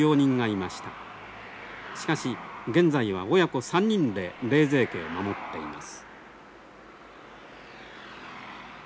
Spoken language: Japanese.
しかし現在は親子３人で冷泉家を守っています。